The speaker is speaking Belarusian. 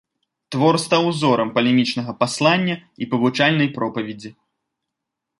Твор стаў узорам палемічнага паслання і павучальнай пропаведзі.